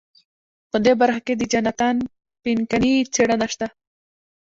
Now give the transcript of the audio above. په دې برخه کې د جاناتان پینکني څېړنه شته.